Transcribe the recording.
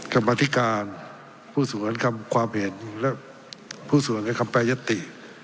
กรรมธิการผู้สวนคำความเห็นและผู้สวนกับคำแปรยติ